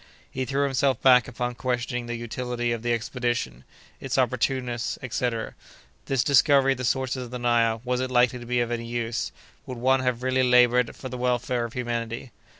He threw himself back upon questioning the utility of the expedition—its opportuneness, etc. This discovery of the sources of the Nile, was it likely to be of any use?—Would one have really labored for the welfare of humanity?